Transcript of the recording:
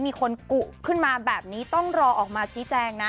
มีคนกุขึ้นมาแบบนี้ต้องรอออกมาชี้แจงนะ